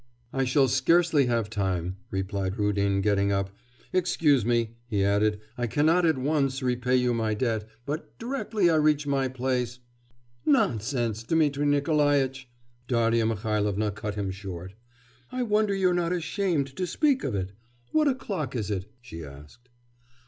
'I shall scarcely have time,' replied Rudin, getting up. 'Excuse me,' he added; 'I cannot at once repay you my debt, but directly I reach my place ' 'Nonsense, Dmitri Nikolaitch!' Darya Mihailovna cut him short. 'I wonder you're not ashamed to speak of it!... What o'clock is it?' she asked.